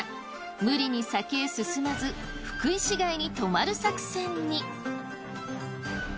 無理に先へ進まず福井市街に泊まる作戦に。